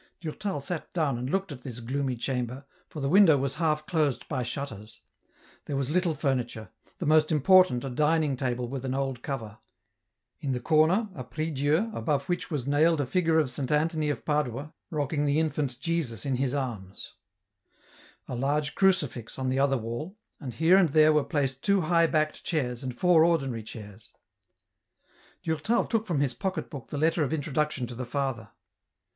Durtal sat down and looked at this gloomy chamber, for the window was half closed by shutters. There was little furniture ; the most important a dining table with an old cover ; in the corner, a " prie Dieu " above which was nailed a figure of Saint Antony of Padua rocking the infant Jesus in his arms ; a large crucifix on the other wall, and here and there were placed two high backed chairs and four ordinary chairs. Durtal took from his pocket book the letter of introduction to the father.